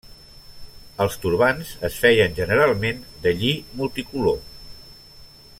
Els turbants es feien generalment de lli multicolor.